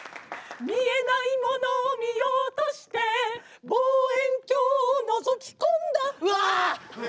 「見えないモノを見ようとして」「望遠鏡を覗き込んだ」わ！